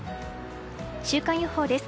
週間予報です。